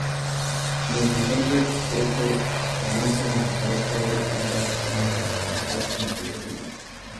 Desde entonces, se han formalizado acuerdos con otras marcas extranjeras, como Toyota y Mazda.